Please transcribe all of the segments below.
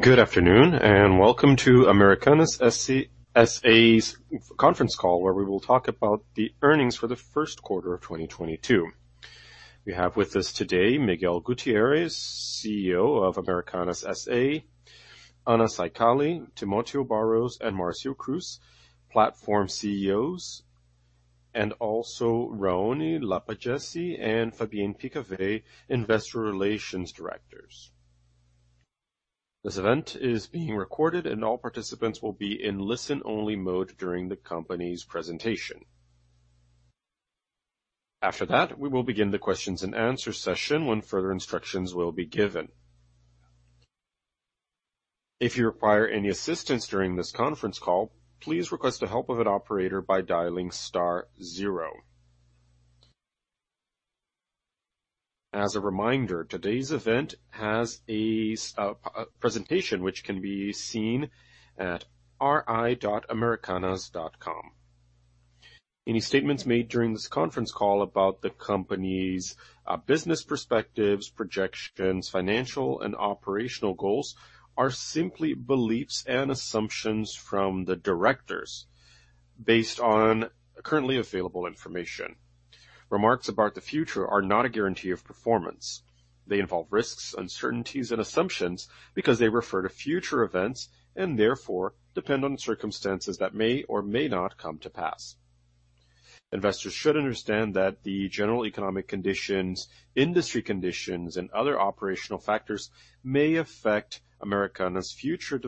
Good afternoon, and welcome to Americanas SA's Conference Call where we will talk about the earnings for the first quarter of 2022. We have with us today Miguel Gutierrez, CEO of Americanas SA, Anna Saicali, José Timotheo de Barros, and Márcio Cruz Meirelles, platform CEOs, and also Raoni Lapagesse and Fabien Picavet, investor relations directors. This event is being recorded and all participants will be in listen-only mode during the company's presentation. After that, we will begin the questions and answer session when further instructions will be given. If you require any assistance during this conference call, please request the help of an operator by dialing star zero. As a reminder, today's event has a presentation which can be seen at ri.americanas.com. Any statements made during this conference call about the company's business perspectives, projections, financial, and operational goals are simply beliefs and assumptions from the directors based on currently available information. Remarks about the future are not a guarantee of performance. They involve risks, uncertainties, and assumptions because they refer to future events and therefore depend on circumstances that may or may not come to pass. Investors should understand that the general economic conditions, industry conditions, and other operational factors may affect Americanas' future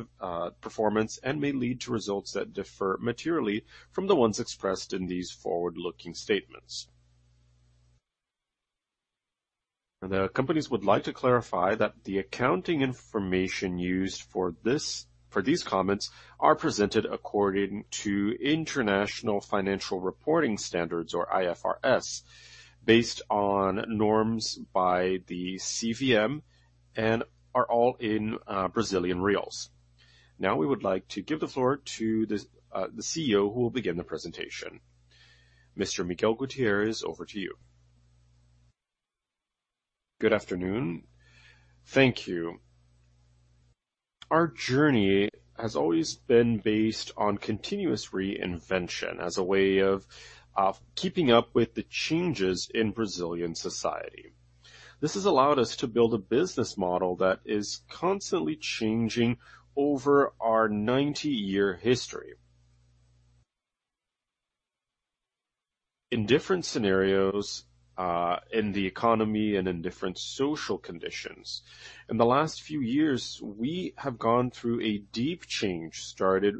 performance and may lead to results that differ materially from the ones expressed in these forward-looking statements. The company would like to clarify that the accounting information used for these comments are presented according to international financial reporting standards or IFRS based on norms by the CVM and are all in Brazilian reais. Now we would like to give the floor to the CEO who will begin the presentation. Mr. Miguel Gutierrez, over to you. Good afternoon. Thank you. Our journey has always been based on continuous reinvention as a way of keeping up with the changes in Brazilian society. This has allowed us to build a business model that is constantly changing over our 90-year history. In different scenarios in the economy and in different social conditions. In the last few years, we have gone through a deep change, started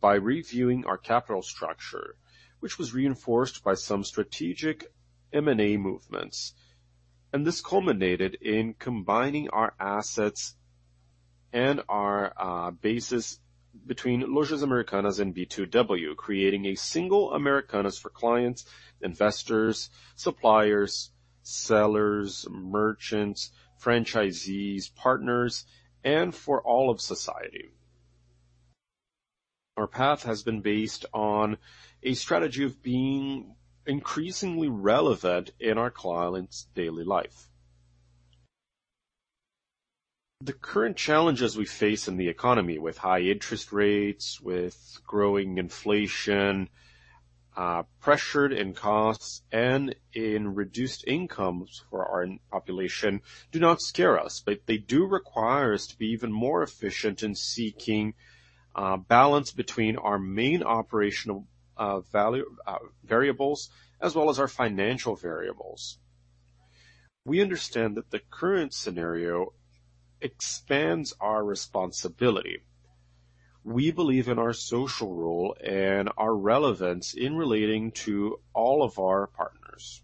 by reviewing our capital structure, which was reinforced by some strategic M&A movements. This culminated in combining our assets and our bases between Lojas Americanas and B2W, creating a single Americanas for clients, investors, suppliers, sellers, merchants, franchisees, partners, and for all of society. Our path has been based on a strategy of being increasingly relevant in our clients' daily life. The current challenges we face in the economy with high interest rates, with growing inflation, pressure in costs and in reduced incomes for our population do not scare us, but they do require us to be even more efficient in seeking, balance between our main operational, value variables as well as our financial variables. We understand that the current scenario expands our responsibility. We believe in our social role and our relevance in relating to all of our partners.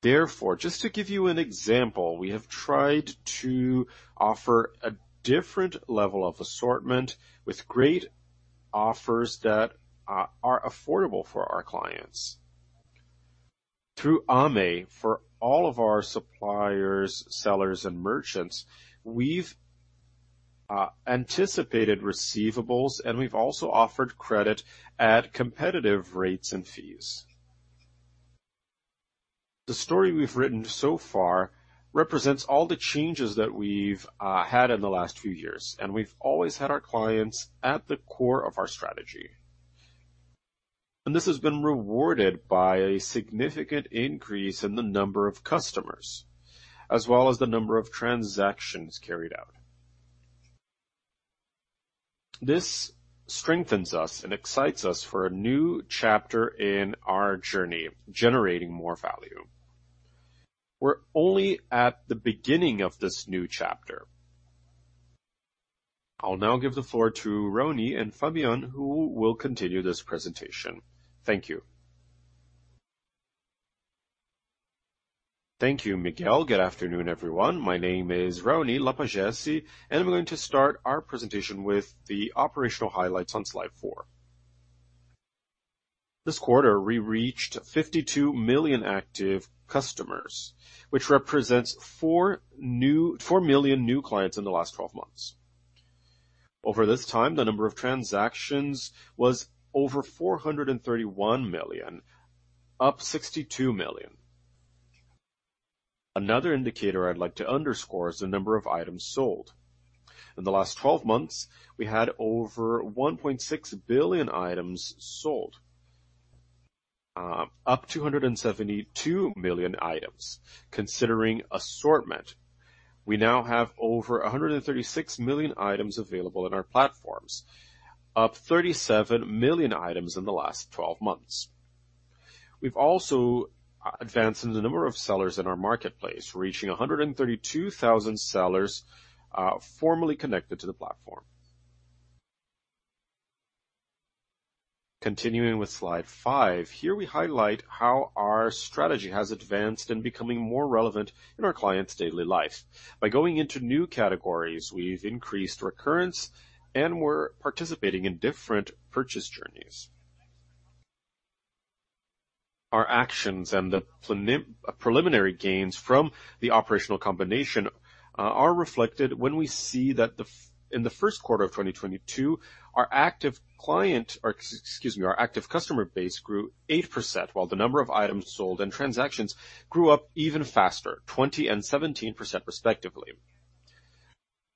Therefore, just to give you an example, we have tried to offer a different level of assortment with great offers that are affordable for our clients. Through AME, for all of our suppliers, sellers, and merchants, we've anticipated receivables, and we've also offered credit at competitive rates and fees. The story we've written so far represents all the changes that we've had in the last few years, and we've always had our clients at the core of our strategy. This has been rewarded by a significant increase in the number of customers, as well as the number of transactions carried out. This strengthens us and excites us for a new chapter in our journey, generating more value. We're only at the beginning of this new chapter. I'll now give the floor to Raoni and Fabien, who will continue this presentation. Thank you. Thank you, Miguel. Good afternoon, everyone. My name is Raoni Lapagesse, and I'm going to start our presentation with the operational highlights on slide four. This quarter, we reached 52 million active customers, which represents 4 million new clients in the last 12 months. Over this time, the number of transactions was over 431 million, up 62 million. Another indicator I'd like to underscore is the number of items sold. In the last 12 months, we had over 1.6 billion items sold, up 272 million items. Considering assortment, we now have over 136 million items available in our platforms, up 37 million items in the last 12 months. We've also advanced in the number of sellers in our marketplace, reaching 132,000 sellers, formally connected to the platform. Continuing with slide five, here we highlight how our strategy has advanced in becoming more relevant in our clients' daily life. By going into new categories, we've increased recurrence, and we're participating in different purchase journeys. Our actions and the preliminary gains from the operational combination are reflected when we see that in the first quarter of 2022, our active customer base grew 8% while the number of items sold and transactions grew up even faster, 20% and 17% respectively.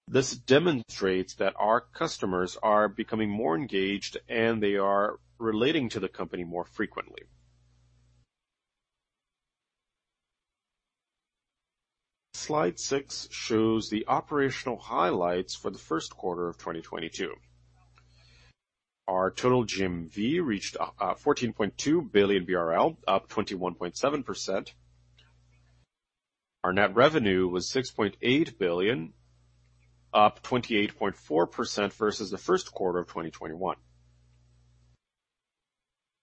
This demonstrates that our customers are becoming more engaged, and they are relating to the company more frequently. Slide 6 shows the operational highlights for the first quarter of 2022. Our total GMV reached 14.2 billion BRL, up 21.7%. Our net revenue was 6.8 billion, up 28.4% versus the first quarter of 2021.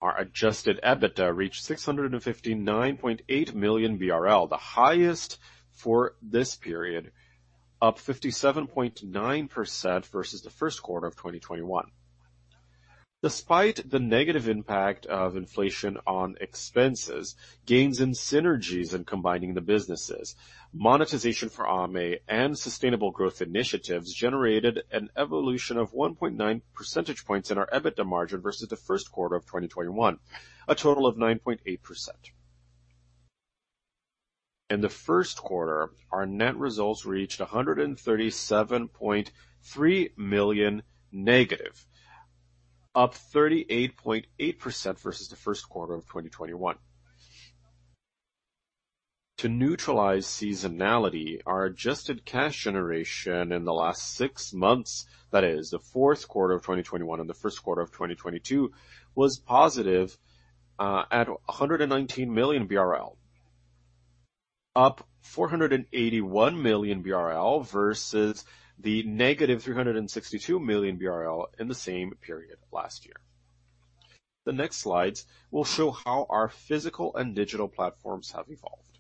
Our adjusted EBITDA reached 659.8 million BRL, the highest for this period, up 57.9% versus the first quarter of 2021. Despite the negative impact of inflation on expenses, gains in synergies in combining the businesses, monetization for AME, and sustainable growth initiatives generated an evolution of 1.9 percentage points in our EBITDA margin versus the first quarter of 2021, a total of 9.8%. In the first quarter, our net results reached -137.3 million, up 38.8% versus the first quarter of 2021. To neutralize seasonality, our adjusted cash generation in the last six months, that is the fourth quarter of 2021 and the first quarter of 2022, was positive at 119 million BRL, up 481 million BRL versus the negative 362 million BRL in the same period last year. The next slides will show how our physical and digital platforms have evolved.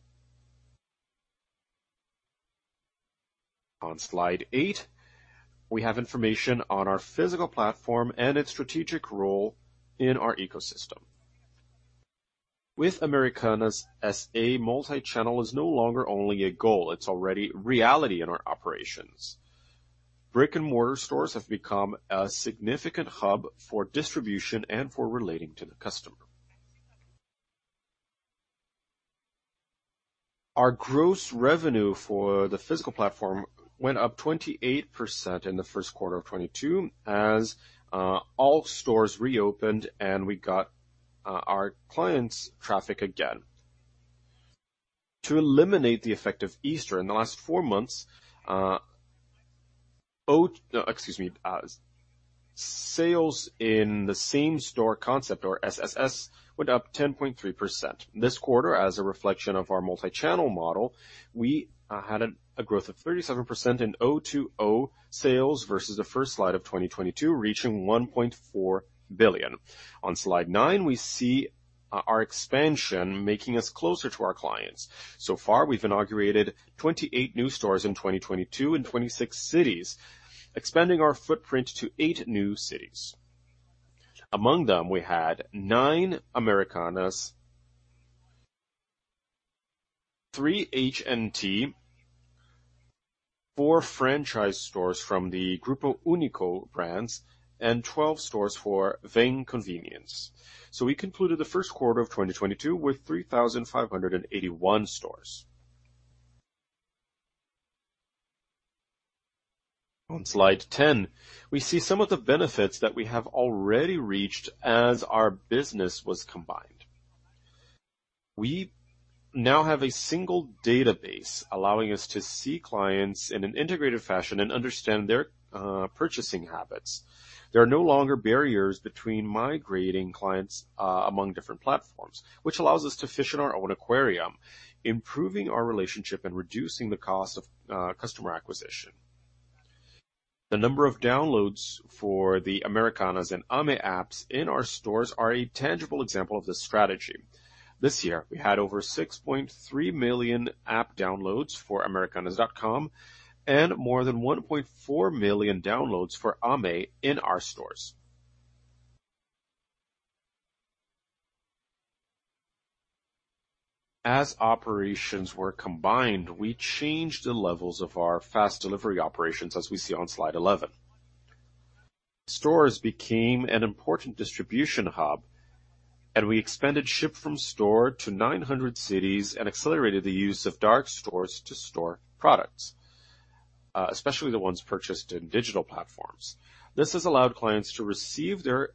On slide eight, we have information on our physical platform and its strategic role in our ecosystem. With Americanas S.A., multi-channel is no longer only a goal, it's already reality in our operations. Brick-and-mortar stores have become a significant hub for distribution and for relating to the customer. Our gross revenue for the physical platform went up 28% in the first quarter of 2022 as all stores reopened, and we got our client traffic again. To eliminate the effect of Easter in the last four months, sales in the same store concept or SSS went up 10.3%. This quarter, as a reflection of our multi-channel model, we had a growth of 37% in O2O sales versus the first quarter of 2022, reaching 1.4 billion. On slide nine, we see our expansion making us closer to our clients. So far, we've inaugurated 28 new stores in 2022 in 26 cities, expanding our footprint to eight new cities. Among them, we had nine Americanas, three HNT, four franchise stores from the Grupo Uni.co brands, and 12 stores for Vem Conveniência. We concluded the first quarter of 2022 with 3,581 stores. On slide 10, we see some of the benefits that we have already reached as our business was combined. We now have a single database allowing us to see clients in an integrated fashion and understand their purchasing habits. There are no longer barriers between migrating clients among different platforms, which allows us to fish in our own aquarium, improving our relationship and reducing the cost of customer acquisition. The number of downloads for the Americanas and Ame apps in our stores are a tangible example of this strategy. This year, we had over 6.3 million app downloads for americanas.com and more than 1.4 million downloads for Ame in our stores. As operations were combined, we changed the levels of our fast delivery operations as we see on slide 11. Stores became an important distribution hub, and we expanded ship from store to 900 cities and accelerated the use of dark stores to store products, especially the ones purchased in digital platforms. This has allowed clients to receive their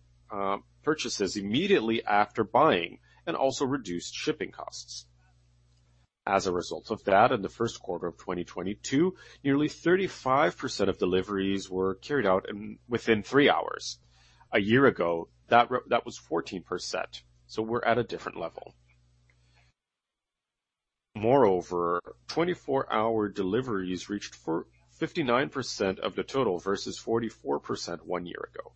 purchases immediately after buying and also reduced shipping costs. As a result of that, in the first quarter of 2022, nearly 35% of deliveries were carried out within three hours. A year ago, that was 14%, so we're at a different level. Moreover, 24-hour deliveries reached 59% of the total versus 44% one year ago.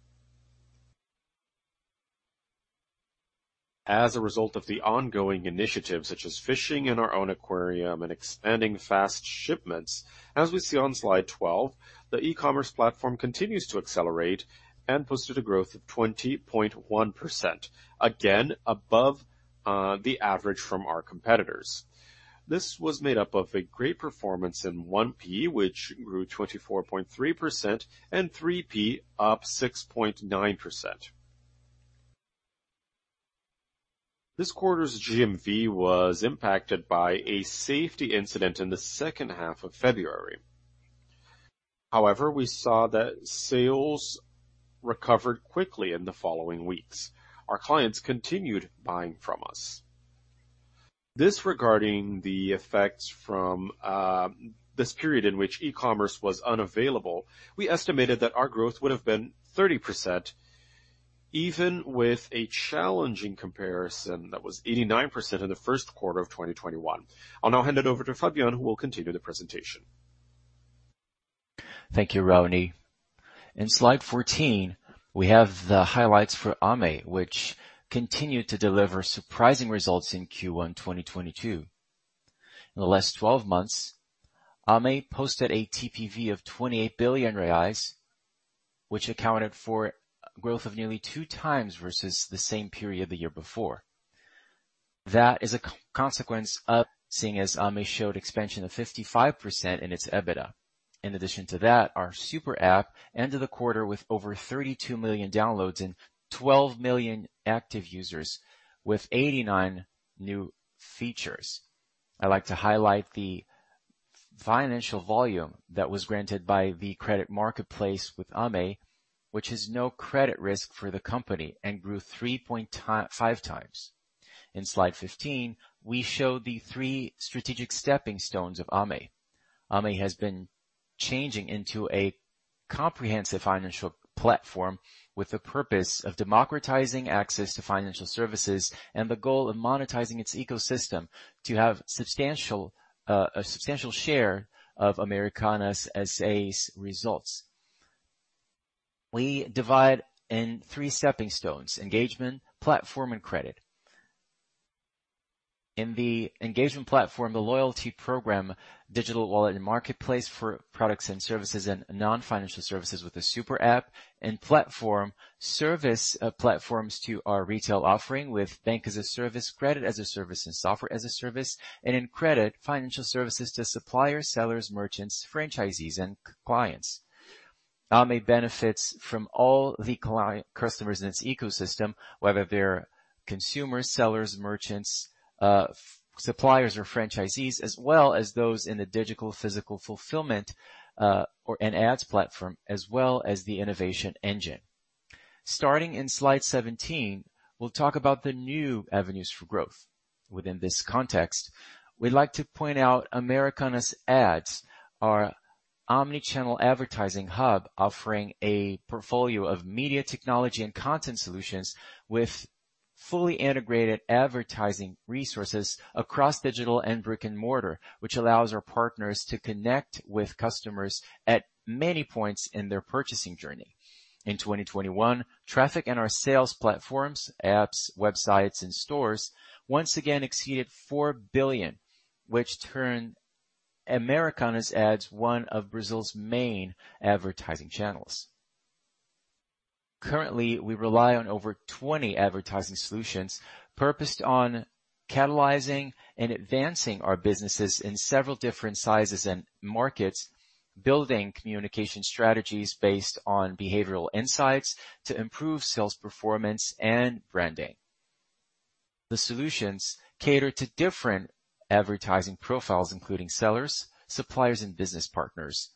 As a result of the ongoing initiatives such as fishing in our own aquarium and expanding fast shipments, as we see on slide 12, the e-commerce platform continues to accelerate and posted a growth of 20.1%, again above the average from our competitors. This was made up of a great performance in 1P, which grew 24.3% and 3P up 6.9%. This quarter's GMV was impacted by a safety incident in the second half of February. However, we saw that sales recovered quickly in the following weeks. Our clients continued buying from us. Regarding the effects from this period in which e-commerce was unavailable, we estimated that our growth would have been 30% even with a challenging comparison that was 89% in the first quarter of 2021. I'll now hand it over to Fabien, who will continue the presentation. Thank you, Roni. In slide 14, we have the highlights for Ame, which continued to deliver surprising results in Q1 2022. In the last twelve months, Ame posted a TPV of 28 billion reais, which accounted for growth of nearly 2x versus the same period the year before. That is a consequence, as Ame showed expansion of 55% in its EBITDA. In addition to that, our super app ended the quarter with over 32 million downloads and 12 million active users with 89 new features. I like to highlight the financial volume that was granted by the credit marketplace with Ame, which is with no credit risk for the company and grew 3.5x. In slide 15, we show the three strategic stepping stones of Ame. AME has been changing into a comprehensive financial platform with the purpose of democratizing access to financial services and the goal of monetizing its ecosystem to have substantial a substantial share of Americanas S.A.'s results. We divide in three stepping stones. Engagement, platform, and credit. In the engagement platform, the loyalty program, digital wallet and marketplace for products and services and non-financial services with the super app. In platform, service, platforms to our retail offering with banking-as-a-service, credit-as-a-service, and software-as-a-service. In credit, financial services to suppliers, sellers, merchants, franchisees, and clients. AME benefits from all the customers in its ecosystem, whether they're consumers, sellers, merchants, suppliers or franchisees, as well as those in the digital physical fulfillment, or an ads platform, as well as the innovation engine. Starting in slide 17, we'll talk about the new avenues for growth. Within this context, we'd like to point out Americanas Ads, our omni-channel advertising hub offering a portfolio of media technology and content solutions with fully integrated advertising resources across digital and brick-and-mortar, which allows our partners to connect with customers at many points in their purchasing journey. In 2021, traffic in our sales platforms, apps, websites, and stores once again exceeded 4 billion, which turned Americanas Ads one of Brazil's main advertising channels. Currently, we rely on over 20 advertising solutions purposed on catalyzing and advancing our businesses in several different sizes and markets, building communication strategies based on behavioral insights to improve sales performance and branding. The solutions cater to different advertising profiles, including sellers, suppliers, and business partners.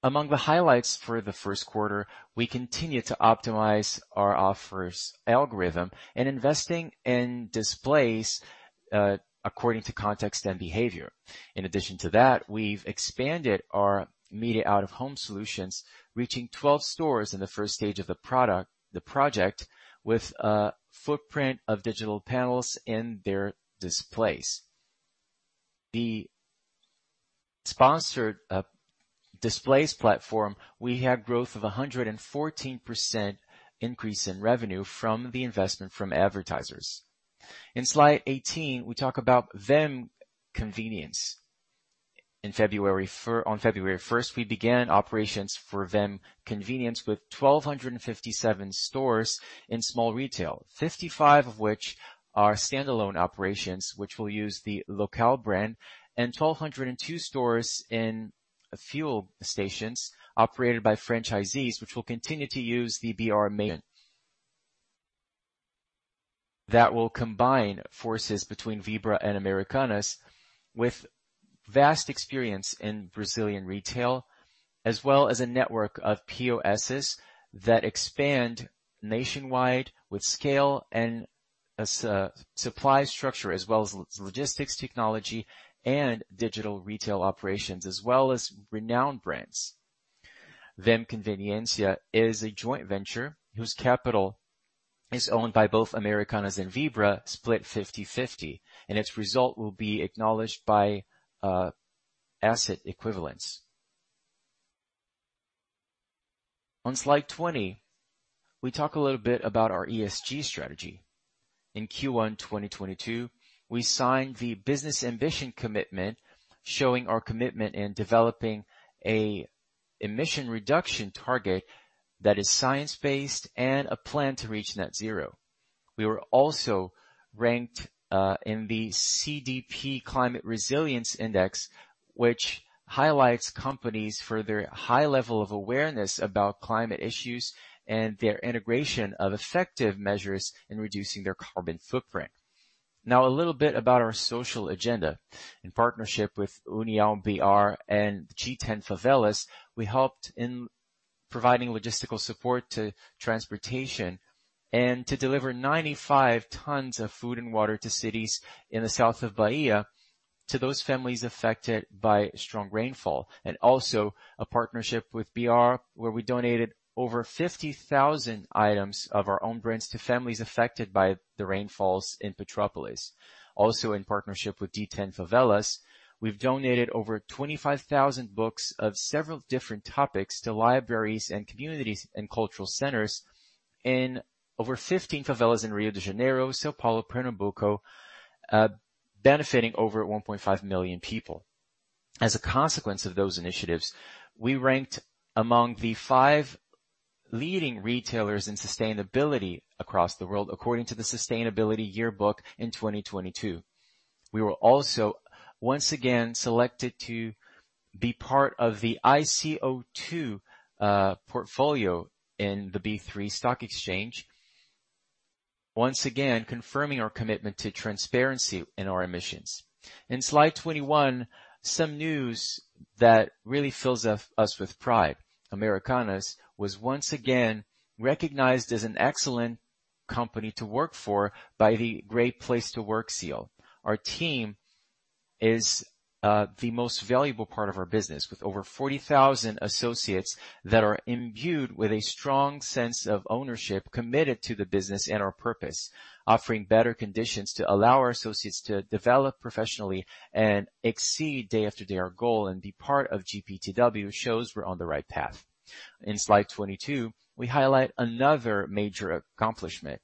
Among the highlights for the first quarter, we continue to optimize our offers algorithm and investing in displays, according to context and behavior. In addition to that, we've expanded our media out-of-home solutions, reaching 12 stores in the first stage of the project with a footprint of digital panels in their displays. The sponsored displays platform, we had growth of 114% increase in revenue from the investment from advertisers. In slide 18, we talk about Vem Conveniência. On February first, we began operations for Vem Conveniência with 1,257 stores in small retail, 55 of which are standalone operations, which will use the Local brand, and 1,202 stores in fuel stations operated by franchisees, which will continue to use the BR Mania. That will combine forces between Vibra and Americanas with vast experience in Brazilian retail, as well as a network of POSs that expand nationwide with scale and a supply structure, as well as logistics technology and digital retail operations, as well as renowned brands. Vem Conveniência is a joint venture whose capital is owned by both Americanas and Vibra, split 50/50, and its result will be acknowledged by asset equivalents. On slide 20, we talk a little bit about our ESG strategy. In Q1 2022, we signed the Business Ambition for 1.5°C, showing our commitment in developing a emission reduction target that is science-based and a plan to reach net zero. We were also ranked in the CDP Climate Change, which highlights companies for their high level of awareness about climate issues and their integration of effective measures in reducing their carbon footprint. Now a little bit about our social agenda. In partnership with União BR and G10 Favelas, we helped in providing logistical support to transportation and to deliver 95 tons of food and water to cities in the south of Bahia to those families affected by strong rainfall. Also a partnership with BR, where we donated over 50,000 items of our own brands to families affected by the rainfalls in Petrópolis. Also, in partnership with G10 Favelas, we've donated over 25,000 books of several different topics to libraries and communities and cultural centers in over 15 favelas in Rio de Janeiro, São Paulo, Pernambuco, benefiting over 1.5 million people. As a consequence of those initiatives, we ranked among the five leading retailers in sustainability across the world, according to the Sustainability Yearbook in 2022. We were also once again selected to be part of the ICO2 portfolio in the B3 stock exchange, once again confirming our commitment to transparency in our emissions. In slide 21, some news that really fills us with pride. Americanas was once again recognized as an excellent company to work for by the Great Place To Work seal. Our team is the most valuable part of our business, with over 40,000 associates that are imbued with a strong sense of ownership, committed to the business and our purpose, offering better conditions to allow our associates to develop professionally and exceed day after day our goal and be part of GPTW shows we're on the right path. In slide 22, we highlight another major accomplishment.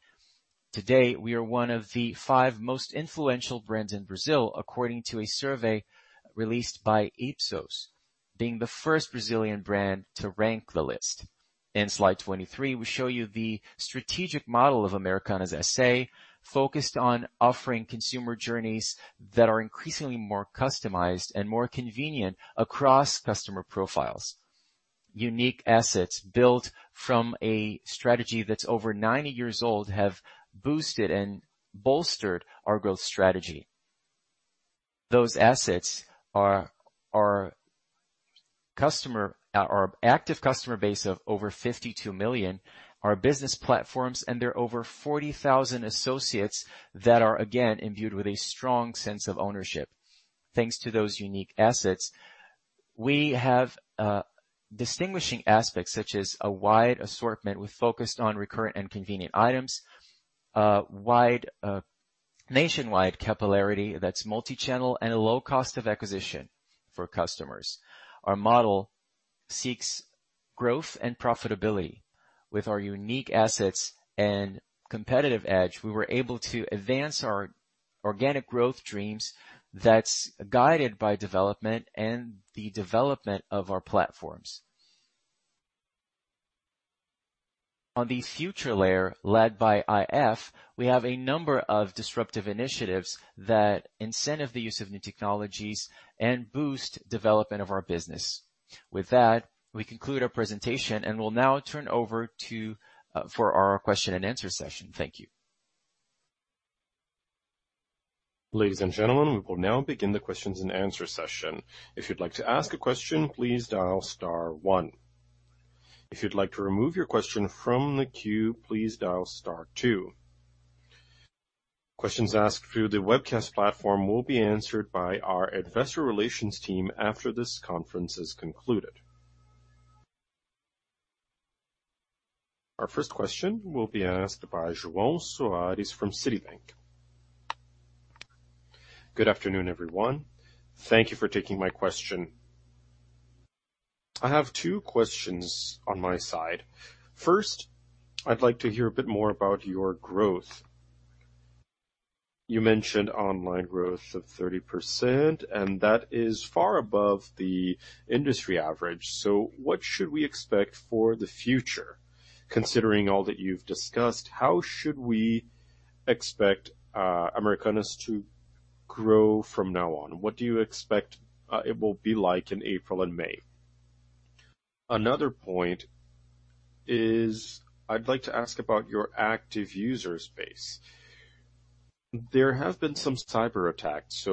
Today, we are one of the five most influential brands in Brazil, according to a survey released by Ipsos, being the first Brazilian brand to rank the list. In slide 23, we show you the strategic model of Americanas S.A., focused on offering consumer journeys that are increasingly more customized and more convenient across customer profiles. Unique assets built from a strategy that's over 90 years old have boosted and bolstered our growth strategy. Those assets are our active customer base of over 52 million, our business platforms, and there are over 40,000 associates that are again imbued with a strong sense of ownership. Thanks to those unique assets, we have distinguishing aspects such as a wide assortment with focus on recurrent and convenient items, wide nationwide capillarity that's multi-channel and a low cost of acquisition for customers. Our model seeks growth and profitability. With our unique assets and competitive edge, we were able to advance our organic growth dreams that's guided by development and the development of our platforms. On the future layer, led by IF, we have a number of disruptive initiatives that incentivize the use of new technologies and boost development of our business. With that, we conclude our presentation and will now turn over to for our question and answer session. Thank you. Ladies and gentlemen, we will now begin the questions and answer session. If you'd like to ask a question, please dial star one. If you'd like to remove your question from the queue, please dial star two. Questions asked through the webcast platform will be answered by our investor relations team after this conference is concluded. Our first question will be asked by João Soares from Citibank. Good afternoon, everyone. Thank you for taking my question. I have two questions on my side. First, I'd like to hear a bit more about your growth. You mentioned online growth of 30%, and that is far above the industry average. What should we expect for the future? Considering all that you've discussed, how should we expect Americanas to grow from now on? What do you expect it will be like in April and May? Another point is I'd like to ask about your active user base. There have been some cyberattacks.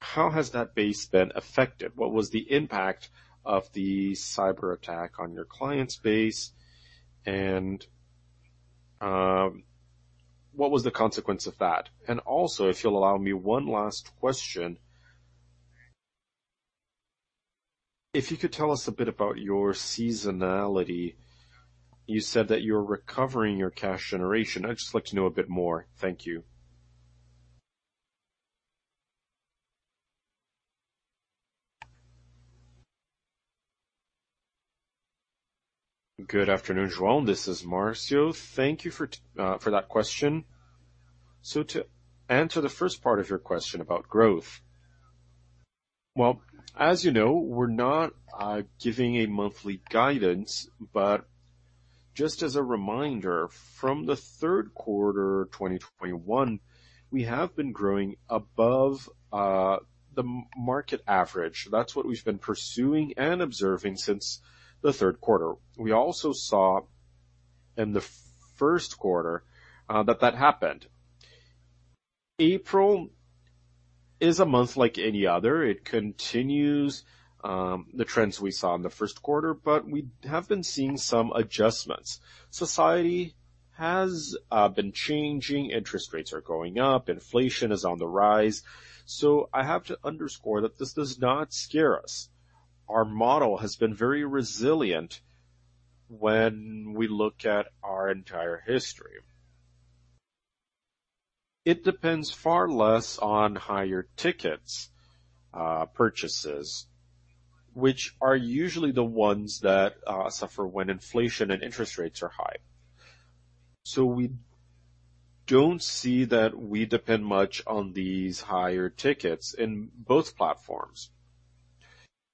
How has that base been affected? What was the impact of the cyberattack on your client base and, what was the consequence of that? Also, if you'll allow me one last question. If you could tell us a bit about your seasonality. You said that you're recovering your cash generation. I'd just like to know a bit more. Thank you. Good afternoon, João. This is Márcio. Thank you for that question. To answer the first part of your question about growth. Well, as you know, we're not giving a monthly guidance. Just as a reminder, from the third quarter 2021, we have been growing above the market average. That's what we've been pursuing and observing since the third quarter. We also saw in the first quarter that happened. April is a month like any other. It continues the trends we saw in the first quarter, but we have been seeing some adjustments. Society has been changing. Interest rates are going up. Inflation is on the rise. I have to underscore that this does not scare us. Our model has been very resilient when we look at our entire history. It depends far less on higher ticket purchases, which are usually the ones that suffer when inflation and interest rates are high. We don't see that we depend much on these higher tickets in both platforms.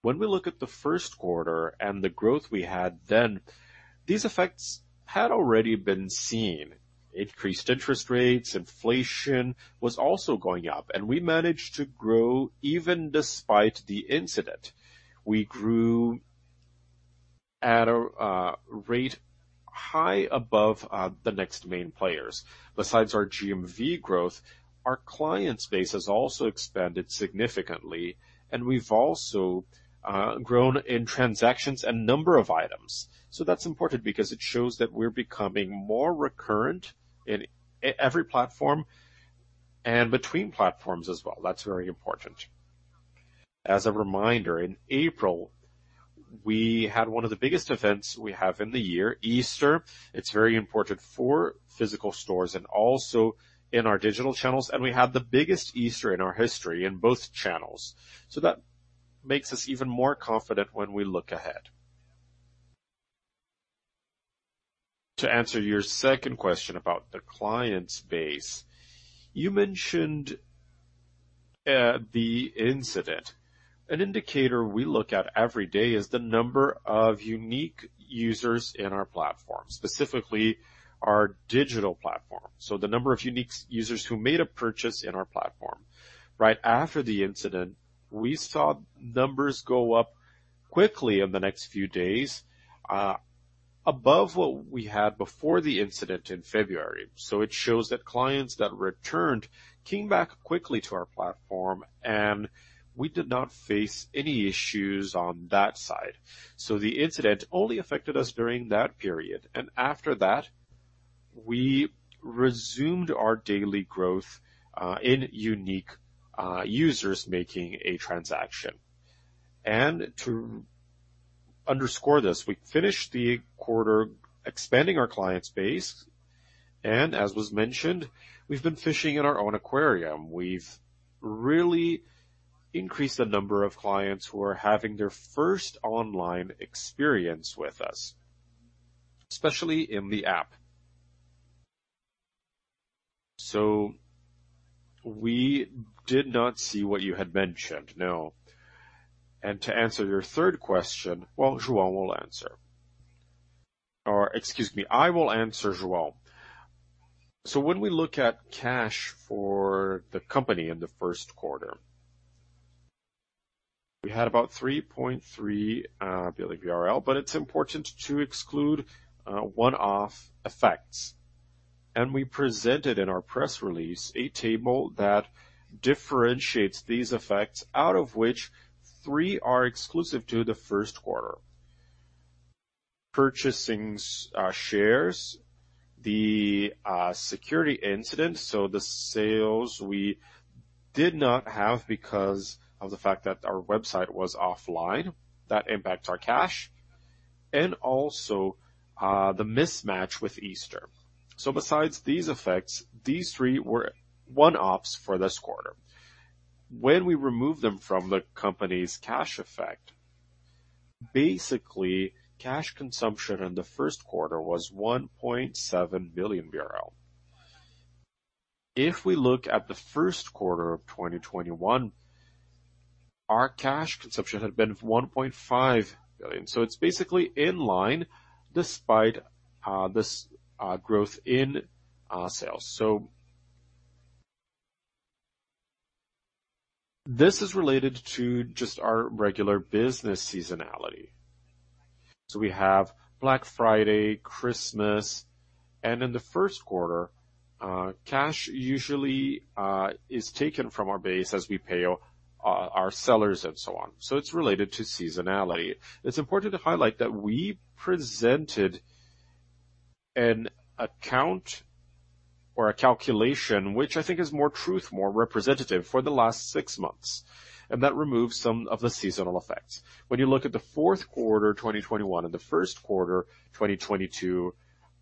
When we look at the first quarter and the growth we had then, these effects had already been seen. Increased interest rates, inflation was also going up, and we managed to grow even despite the incident. We grew at a rate high above the next main players. Besides our GMV growth, our client space has also expanded significantly, and we've also grown in transactions and number of items. That's important because it shows that we're becoming more recurrent in every platform and between platforms as well. That's very important. As a reminder, in April, we had one of the biggest events we have in the year, Easter. It's very important for physical stores and also in our digital channels, and we had the biggest Easter in our history in both channels. That makes us even more confident when we look ahead. To answer your second question about the client space. You mentioned the incident. An indicator we look at every day is the number of unique users in our platform, specifically our digital platform. The number of unique users who made a purchase in our platform. Right after the incident, we saw numbers go up quickly in the next few days, above what we had before the incident in February. It shows that clients that returned came back quickly to our platform, and we did not face any issues on that side. The incident only affected us during that period, and after that, we resumed our daily growth in unique users making a transaction. To underscore this, we finished the quarter expanding our client base, and as was mentioned, we've been fishing in our own aquarium. We've really increased the number of clients who are having their first online experience with us, especially in the app. We did not see what you had mentioned, no. To answer your third question, well, João will answer. Excuse me, I will answer, João. When we look at cash for the company in the first quarter, we had about 3.3 billion. It's important to exclude one-off effects. We presented in our press release a table that differentiates these effects, out of which three are exclusive to the first quarter. Purchasing shares, the security incident, so the sales we did not have because of the fact that our website was offline, that impacts our cash. The mismatch with Easter. Besides these effects, these three were one-offs for this quarter. When we remove them from the company's cash effect, basically, cash consumption in the first quarter was 1.7 billion. If we look at the first quarter of 2021, our cash consumption had been 1.5 billion. It's basically in line despite this growth in sales. This is related to just our regular business seasonality. We have Black Friday, Christmas, and in the first quarter, cash usually is taken from our base as we pay our sellers and so on. It's related to seasonality. It's important to highlight that we presented an account or a calculation, which I think is more true, more representative for the last six months, and that removes some of the seasonal effects. When you look at the fourth quarter, 2021 and the first quarter, 2022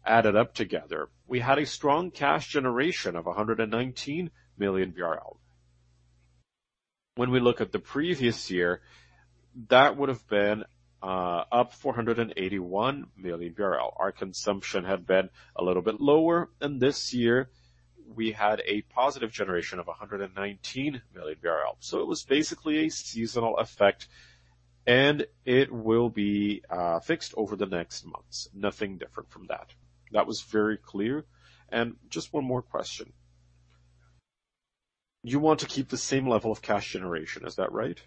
added up together, we had a strong cash generation of 119 million BRL. When we look at the previous year, that would have been up 481 million BRL. Our consumption had been a little bit lower, and this year we had a positive generation of 119 million BRL. It was basically a seasonal effect, and it will be fixed over the next months. Nothing different from that. That was very clear. Just one more question. You want to keep the same level of cash generation, is that right?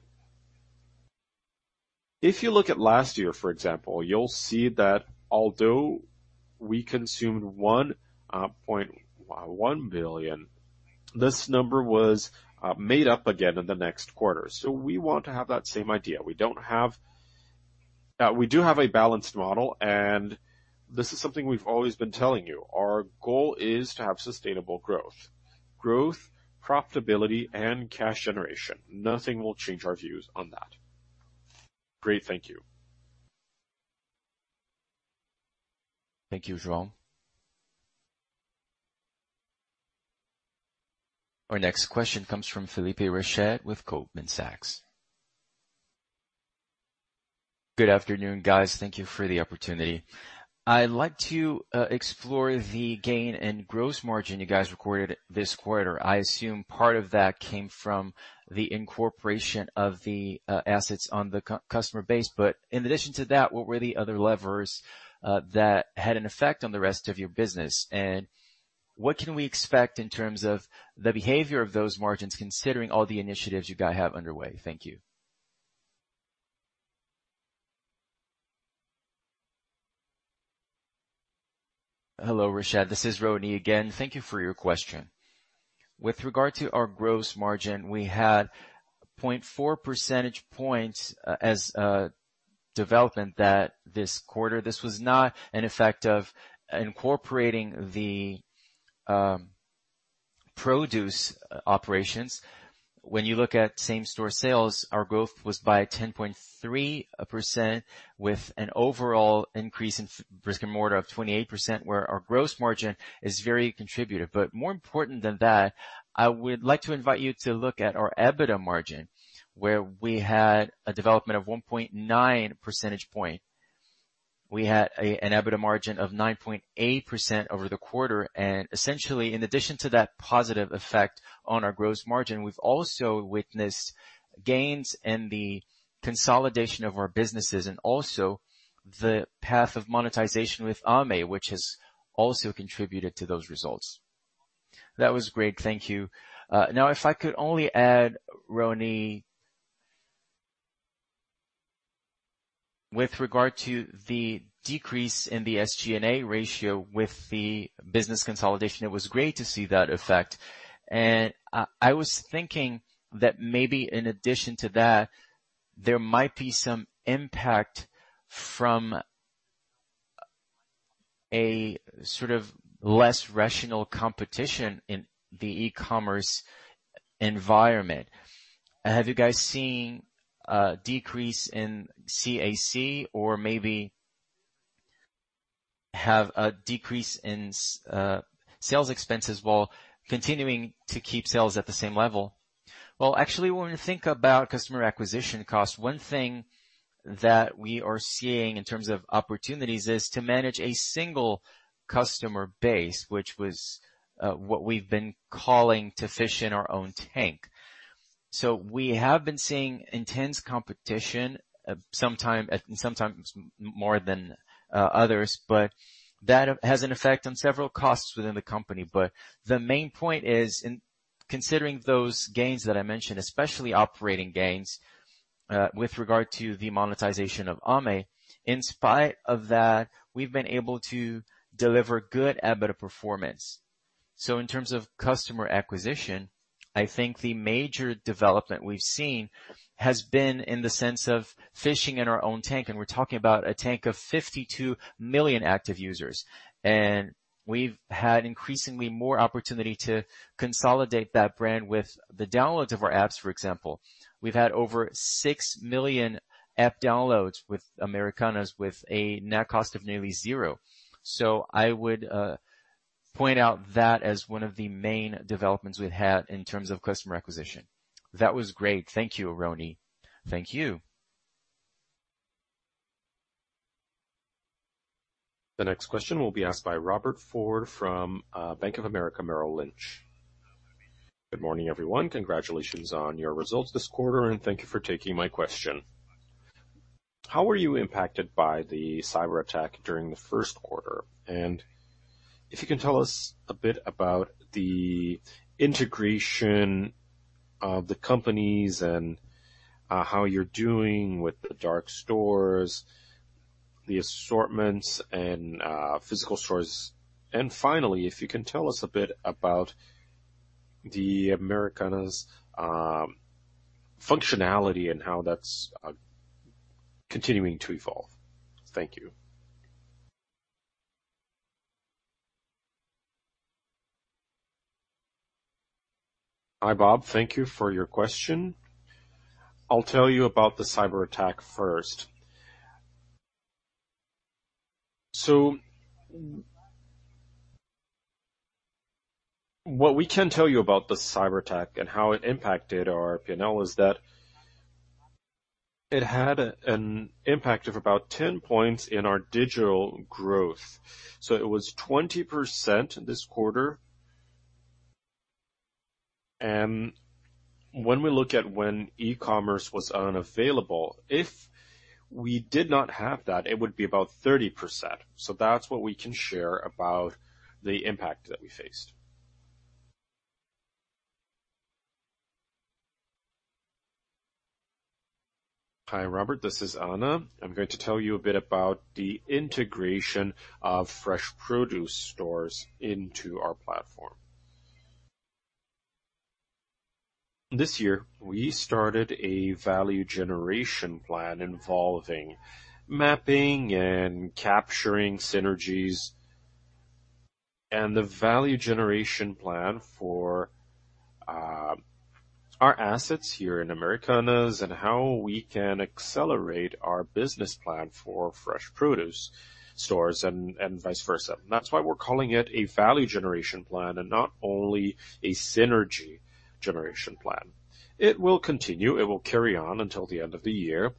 If you look at last year, for example, you'll see that although we consumed 1.1 billion, this number was made up again in the next quarter. We want to have that same idea. We do have a balanced model, and this is something we've always been telling you. Our goal is to have sustainable growth. Growth, profitability and cash generation. Nothing will change our views on that. Great. Thank you. Thank you, João. Our next question comes from Felipe Rached with Goldman Sachs. Good afternoon, guys. Thank you for the opportunity. I'd like to explore the gain in gross margin you guys recorded this quarter. I assume part of that came from the incorporation of the assets on the customer base. But in addition to that, what were the other levers that had an effect on the rest of your business? And what can we expect in terms of the behavior of those margins, considering all the initiatives you guys have underway? Thank you. Hello, Rached. This is Raoni again. Thank you for your question. With regard to our gross margin, we had 0.4 percentage points as a development that this quarter. This was not an effect of incorporating the produce operations. When you look at same-store sales, our growth was by 10.3%, with an overall increase in bricks-and-mortar of 28%, where our gross margin is very contributive. More important than that, I would like to invite you to look at our EBITDA margin, where we had a development of 1.9 percentage point. We had an EBITDA margin of 9.8% over the quarter. Essentially, in addition to that positive effect on our gross margin, we've also witnessed gains in the consolidation of our businesses and also the path of monetization with Ame, which has also contributed to those results. That was great. Thank you. Now, if I could only add, Rony. With regard to the decrease in the SG&A ratio with the business consolidation, it was great to see that effect. I was thinking that maybe in addition to that, there might be some impact from a sort of less rational competition in the e-commerce environment. Have you guys seen a decrease in CAC or maybe have a decrease in sales expenses while continuing to keep sales at the same level? Well, actually, when we think about customer acquisition cost, one thing that we are seeing in terms of opportunities is to manage a single customer base, which was what we've been calling to fish in our own tank. We have been seeing intense competition, sometimes more than others, but that has an effect on several costs within the company. The main point is in considering those gains that I mentioned, especially operating gains, with regard to the monetization of AME, in spite of that, we've been able to deliver good EBITDA performance. In terms of customer acquisition, I think the major development we've seen has been in the sense of fishing in our own tank, and we're talking about a tank of 52 million active users. We've had increasingly more opportunity to consolidate that brand with the downloads of our apps, for example. We've had over 6 million app downloads with Americanas with a net cost of nearly zero. I would. Point out that as one of the main developments we've had in terms of customer acquisition. That was great. Thank you, Raoni. Thank you. The next question will be asked by Robert Ford from Bank of America Merrill Lynch. Good morning, everyone. Congratulations on your results this quarter, and thank you for taking my question. How were you impacted by the cyberattack during the first quarter? If you can tell us a bit about the integration of the companies and how you're doing with the dark stores, the assortments and physical stores. Finally, if you can tell us a bit about the Americanas functionality and how that's continuing to evolve. Thank you. Hi, Bob. Thank you for your question. I'll tell you about the cyberattack first. What we can tell you about the cyberattack and how it impacted our P&L is that it had an impact of about 10 points in our digital growth. It was 20% this quarter. When we look at when e-commerce was unavailable, if we did not have that, it would be about 30%. That's what we can share about the impact that we faced. Hi Robert, this is Ana. I'm going to tell you a bit about the integration of fresh produce stores into our platform. This year, we started a value generation plan involving mapping and capturing synergies and the value generation plan for our assets here in Americanas and how we can accelerate our business plan for fresh produce stores and vice versa. That's why we're calling it a value generation plan and not only a synergy generation plan. It will continue. It will carry on until the end of the year.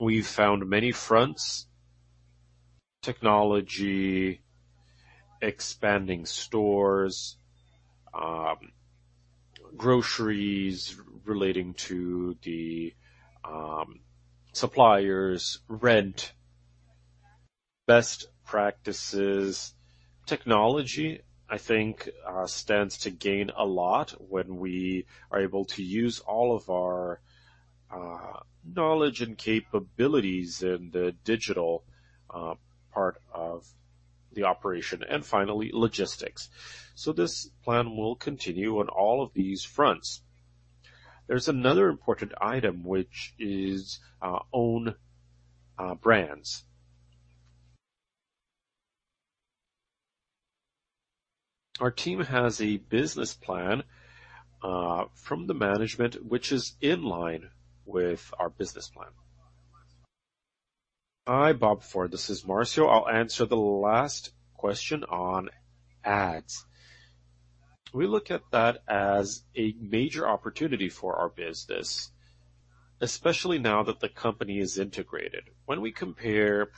We found many fronts, technology, expanding stores, groceries relating to the suppliers, rent, best practices. Technology, I think, stands to gain a lot when we are able to use all of our knowledge and capabilities in the digital part of the operation. Finally, logistics. This plan will continue on all of these fronts. There's another important item which is our own brands. Our team has a business plan from the management, which is in line with our business plan. Hi, Bob Ford, this is Marcio. I'll answer the last question on ads. We look at that as a major opportunity for our business, especially now that the company is integrated. When we compare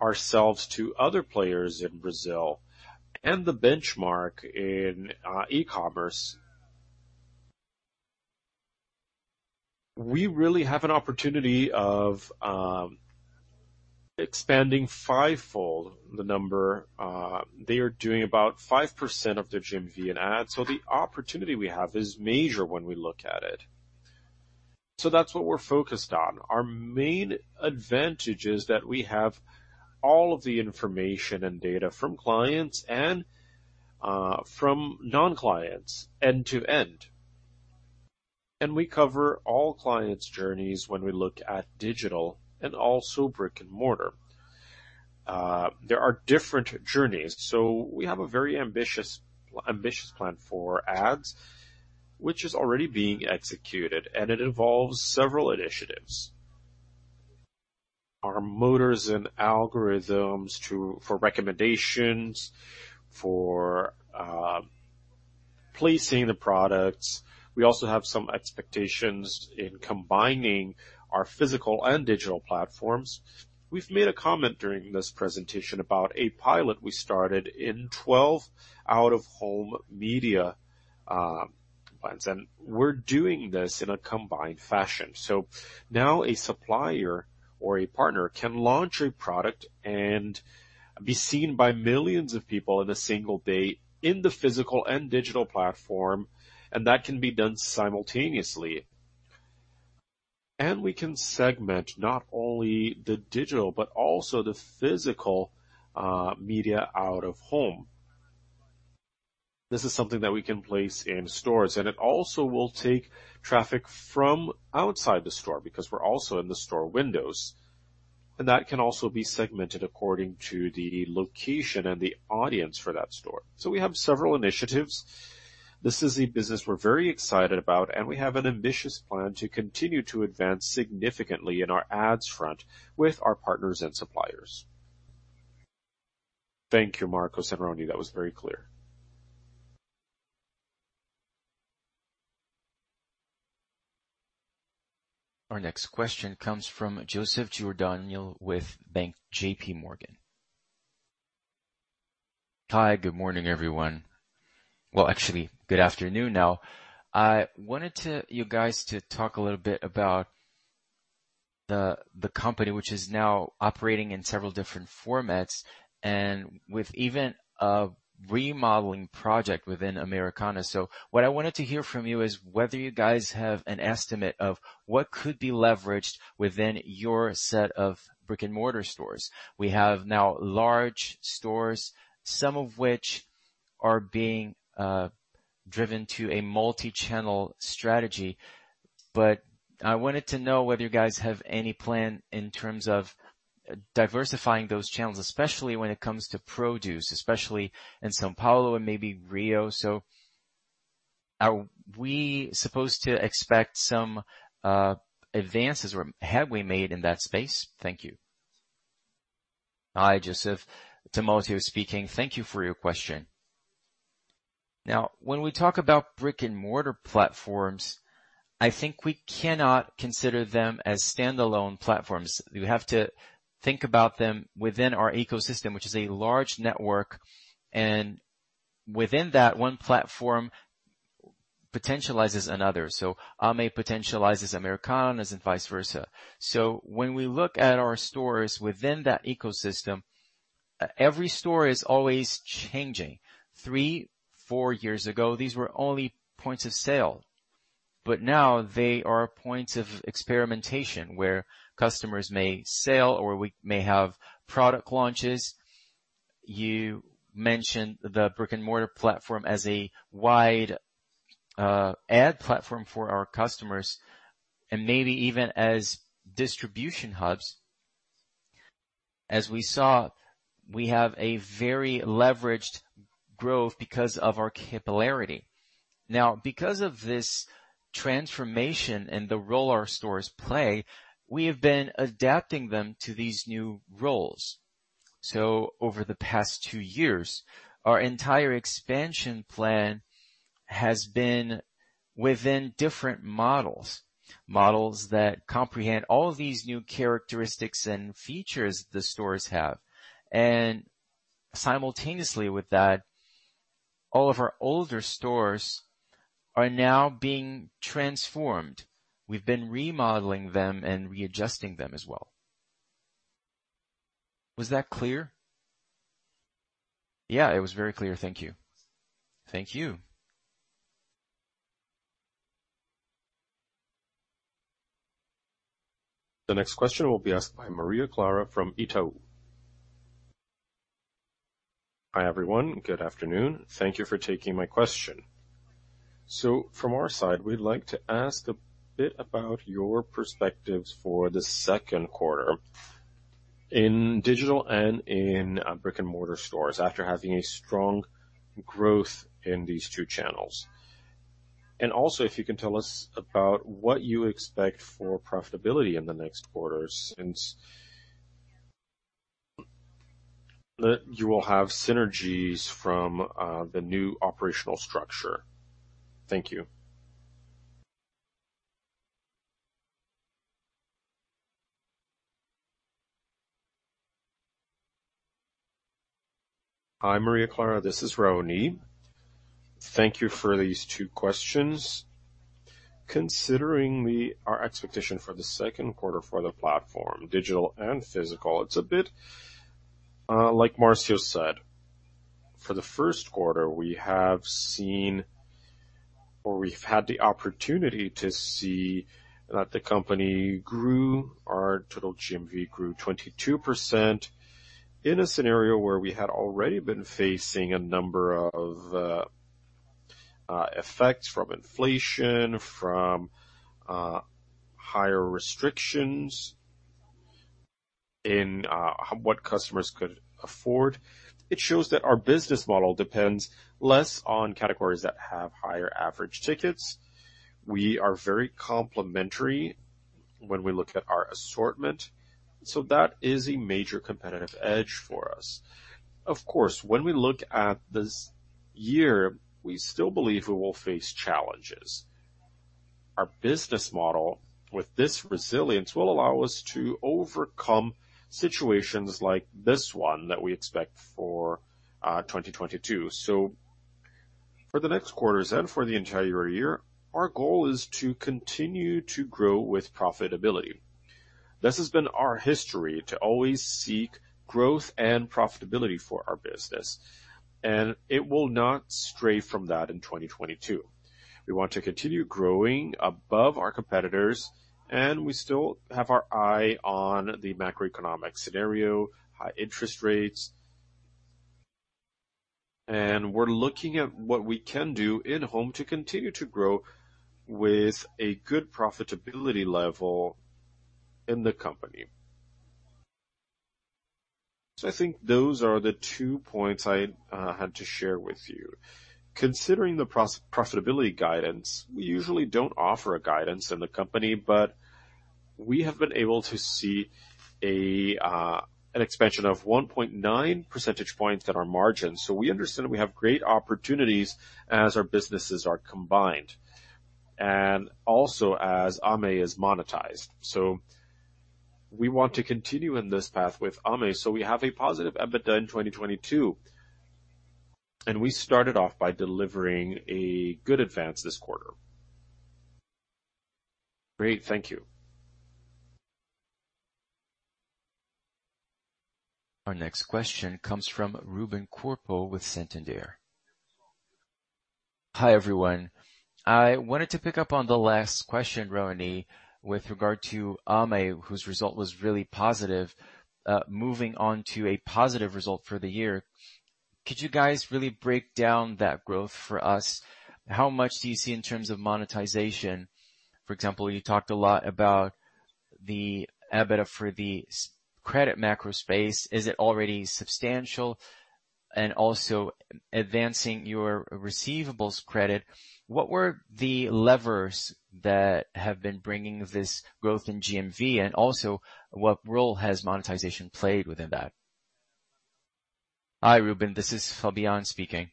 ourselves to other players in Brazil and the benchmark in e-commerce, we really have an opportunity of expanding fivefold the number. They are doing about 5% of their GMV in ads. The opportunity we have is major when we look at it. That's what we're focused on. Our main advantage is that we have all of the information and data from clients and from non-clients end to end. We cover all clients' journeys when we look at digital and also brick-and-mortar. There are different journeys. We have a very ambitious plan for ads, which is already being executed, and it involves several initiatives. Our models and algorithms for recommendations, for placing the products. We also have some expectations in combining our physical and digital platforms. We've made a comment during this presentation about a pilot we started in 12 out-of-home media plans, and we're doing this in a combined fashion. Now a supplier or a partner can launch a product and be seen by millions of people in a single day in the physical and digital platform, and that can be done simultaneously. We can segment not only the digital, but also the physical, media out-of-home. This is something that we can place in stores, and it also will take traffic from outside the store because we're also in the store windows. That can also be segmented according to the location and the audience for that store. We have several initiatives This is a business we're very excited about, and we have an ambitious plan to continue to advance significantly in our ads front with our partners and suppliers. Thank you, Márcio and Raoni. That was very clear. Our next question comes from Joseph Giordano with JPMorgan. Hi, good morning, everyone. Well, actually, good afternoon now. I wanted to you guys to talk a little bit about the company which is now operating in several different formats and with even a remodeling project within Americanas. What I wanted to hear from you is whether you guys have an estimate of what could be leveraged within your set of brick-and-mortar stores. We have now large stores, some of which are being driven to a multi-channel strategy. I wanted to know whether you guys have any plan in terms of diversifying those channels, especially when it comes to produce, especially in São Paulo and maybe Rio. Are we supposed to expect some advances, or have we made in that space? Thank you. Hi, Joseph. Timóteo speaking. Thank you for your question. When we talk about brick-and-mortar platforms, I think we cannot consider them as standalone platforms. We have to think about them within our ecosystem, which is a large network, and within that, one platform potentializes another. AME potentializes Americanas and vice versa. When we look at our stores within that ecosystem, every store is always changing. three, four years ago, these were only points of sale, but now they are points of experimentation where customers may sell, or we may have product launches. You mentioned the brick-and-mortar platform as a wide ad platform for our customers and maybe even as distribution hubs. As we saw, we have a very leveraged growth because of our capillarity. Because of this transformation and the role our stores play, we have been adapting them to these new roles. Over the past two years, our entire expansion plan has been within different models that comprehend all these new characteristics and features the stores have. Simultaneously with that, all of our older stores are now being transformed. We've been remodeling them and readjusting them as well. Was that clear? Yeah, it was very clear. Thank you. Thank you. The next question will be asked by Maria Clara from Itaú. Hi, everyone. Good afternoon. Thank you for taking my question. From our side, we'd like to ask a bit about your perspectives for the second quarter in digital and in brick-and-mortar stores after having a strong growth in these two channels. Also, if you can tell us about what you expect for profitability in the next quarters and that you will have synergies from the new operational structure. Thank you. Hi, Maria Clara, this is Raoni. Thank you for these two questions. Considering our expectation for the second quarter for the platform, digital and physical, it's a bit like Márcio said. For the first quarter, we have seen or we've had the opportunity to see that the company grew. Our total GMV grew 22% in a scenario where we had already been facing a number of effects from inflation, from higher restrictions in what customers could afford. It shows that our business model depends less on categories that have higher average tickets. We are very complementary when we look at our assortment, so that is a major competitive edge for us. Of course, when we look at this year, we still believe we will face challenges. Our business model with this resilience will allow us to overcome situations like this one that we expect for 2022. For the next quarters and for the entire year, our goal is to continue to grow with profitability. This has been our history, to always seek growth and profitability for our business, and it will not stray from that in 2022. We want to continue growing above our competitors, and we still have our eye on the macroeconomic scenario, high interest rates. We're looking at what we can do in-house to continue to grow with a good profitability level in the company. I think those are the two points I had to share with you. Considering the gross profitability guidance, we usually don't offer guidance in the company, but we have been able to see an expansion of 1.9 percentage points in our margins. We understand we have great opportunities as our businesses are combined and also as AME is monetized. We want to continue in this path with AME, so we have a positive EBITDA in 2022, and we started off by delivering a good advance this quarter. Great. Thank you. Our next question comes from Ruben Couto with Santander. Hi, everyone. I wanted to pick up on the last question, Raoni, with regard to AME, whose result was really positive, moving on to a positive result for the year. Could you guys really break down that growth for us? How much do you see in terms of monetization? For example, you talked a lot about the EBITDA for the S-credit macro space. Is it already substantial? Advancing your receivables credit, what were the levers that have been bringing this growth in GMV? What role has monetization played within that? Hi, Ruben. This is Fabien speaking.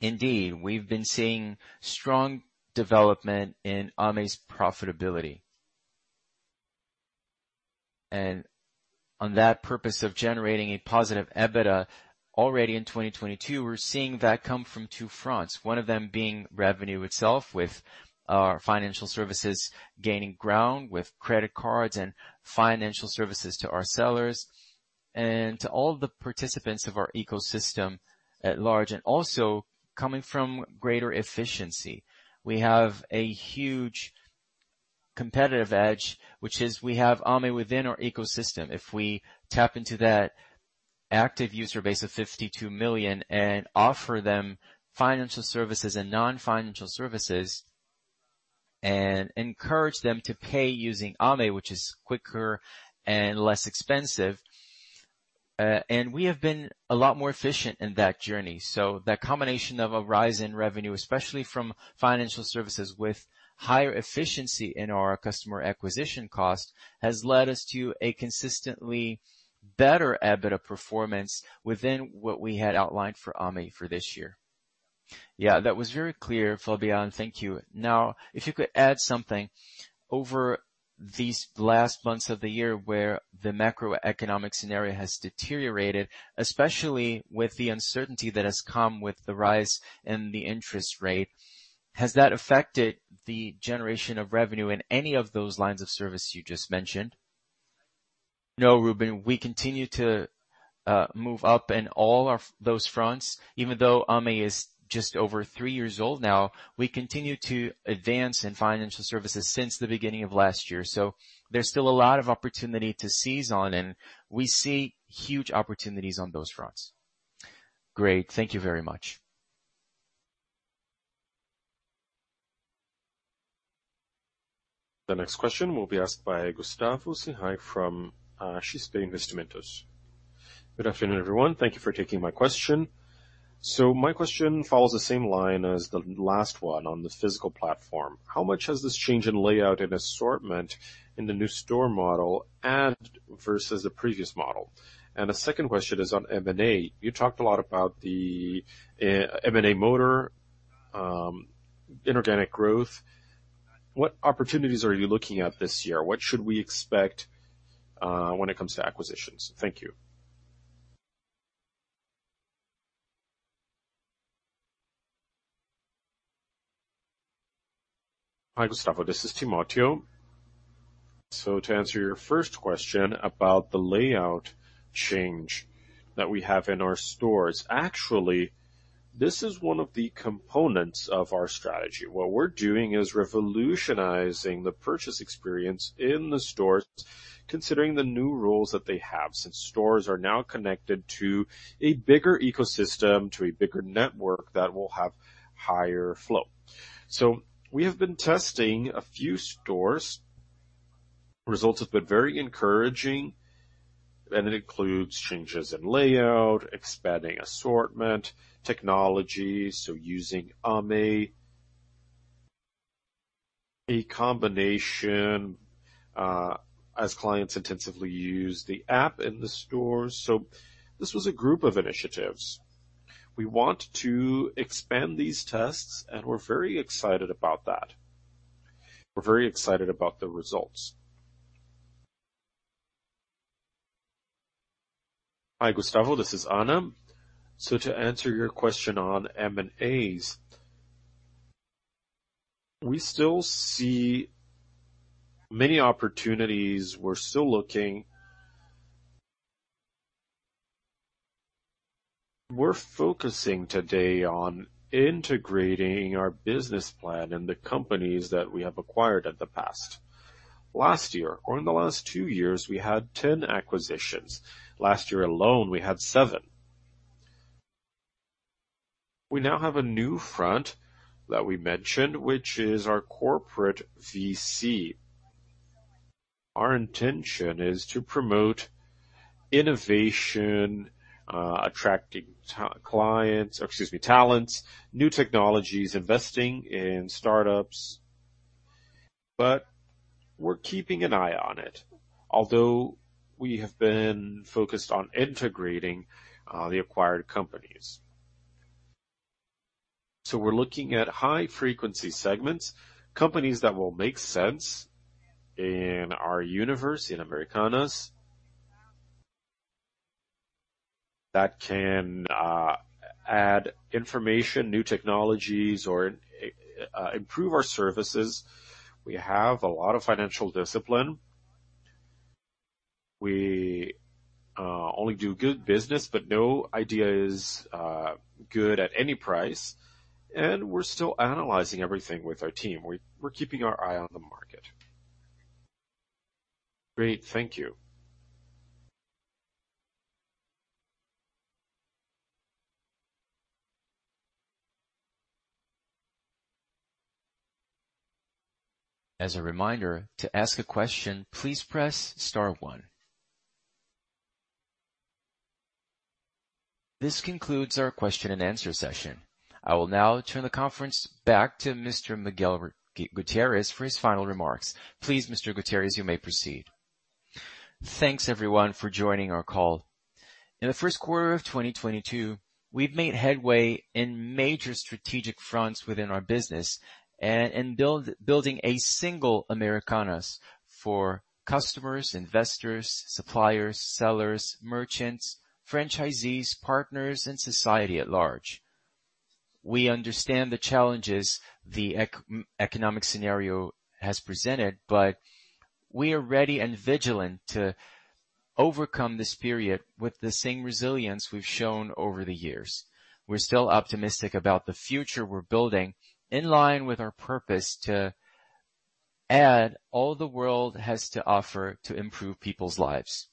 Indeed, we've been seeing strong development in Ame's profitability. On that purpose of generating a positive EBITDA already in 2022, we're seeing that come from two fronts, one of them being revenue itself, with our financial services gaining ground with credit cards and financial services to our sellers and to all the participants of our ecosystem at large, and also coming from greater efficiency. We have a huge competitive edge, which is we have Ame within our ecosystem. If we tap into that active user base of 52 million and offer them financial services and non-financial services and encourage them to pay using Ame, which is quicker and less expensive, and we have been a lot more efficient in that journey. That combination of a rise in revenue, especially from financial services with higher efficiency in our customer acquisition cost, has led us to a consistently better EBITDA performance within what we had outlined for AME for this year. Yeah, that was very clear, Fabien. Thank you. Now, if you could add something. Over these last months of the year where the macroeconomic scenario has deteriorated, especially with the uncertainty that has come with the rise in the interest rate, has that affected the generation of revenue in any of those lines of service you just mentioned? No, Ruben. We continue to move up in all of those fronts. Even though Ame is just over three years old now, we continue to advance in financial services since the beginning of last year. There's still a lot of opportunity to seize on, and we see huge opportunities on those fronts. Great. Thank you very much. The next question will be asked by Gustavo Senday from XP Investimentos. Good afternoon, everyone. Thank you for taking my question. My question follows the same line as the last one on the physical platform. How much has this change in layout and assortment in the new store model add versus the previous model? And the second question is on M&A. You talked a lot about the M&A motor, inorganic growth. What opportunities are you looking at this year? What should we expect, when it comes to acquisitions? Thank you. Hi, Gustavo. This is Timotheo. To answer your first question about the layout change that we have in our stores, actually, this is one of the components of our strategy. What we're doing is revolutionizing the purchase experience in the stores, considering the new roles that they have, since stores are now connected to a bigger ecosystem, to a bigger network that will have higher flow. We have been testing a few stores. Results have been very encouraging, and it includes changes in layout, expanding assortment, technology, so using Ame, a combination, as clients intensively use the app in the stores. This was a group of initiatives. We want to expand these tests, and we're very excited about that. We're very excited about the results. Hi, Gustavo, this is Anna. To answer your question on M&As, we still see many opportunities. We're still looking. We're focusing today on integrating our business plan and the companies that we have acquired in the past. Last year or in the last two years, we had 10 acquisitions. Last year alone, we had seven. We now have a new front that we mentioned, which is our corporate VC. Our intention is to promote innovation, attracting talents, new technologies, investing in startups. We're keeping an eye on it, although we have been focused on integrating the acquired companies. We're looking at high frequency segments, companies that will make sense in our universe, in Americanas. That can add information, new technologies, or improve our services. We have a lot of financial discipline. We only do good business, but no idea is good at any price, and we're still analyzing everything with our team. We're keeping our eye on the market. Great. Thank you. As a reminder, to ask a question, please press star one. This concludes our question and answer session. I will now turn the conference back to Mr. Miguel Gutierrez for his final remarks. Please, Mr. Gutierrez, you may proceed. Thanks, everyone, for joining our call. In the first quarter of 2022, we've made headway in major strategic fronts within our business and building a single Americanas for customers, investors, suppliers, sellers, merchants, franchisees, partners, and society at large. We understand the challenges the economic scenario has presented, but we are ready and vigilant to overcome this period with the same resilience we've shown over the years. We're still optimistic about the future we're building in line with our purpose to add all the world has to offer to improve people's lives.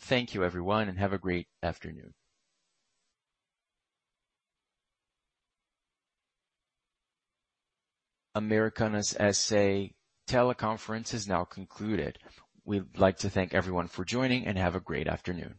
Thank you, everyone, and have a great afternoon. Americanas S.A. teleconference is now concluded. We'd like to thank everyone for joining, and have a great afternoon.